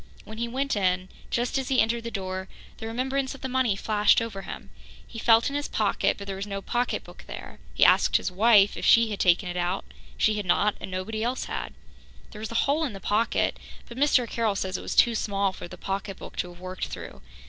When he went in, just as he entered the door, the remembrance of the money flashed over him. He felt in his pocket, but there was no pocketbook there; he asked his wife if she had taken it out. She had not, and nobody else had. There was a hole in the pocket, but Mr. Carroll says it was too small for the pocketbook to have worked through.